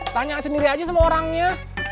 tanya sendiri aja sama orangnya